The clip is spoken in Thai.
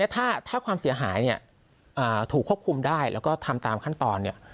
ถ้าความเสียหายเนี่ยถูกควบคุมได้แล้วก็ทำตามขั้นตอนเนี่ย